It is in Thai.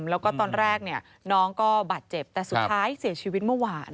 แล้วก็ตอนแรกเนี่ยน้องก็บาดเจ็บแต่สุดท้ายเสียชีวิตเมื่อวาน